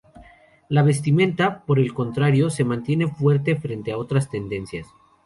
La vestimenta, por el contrario, se mantiene fuerte frente a otras tendencias.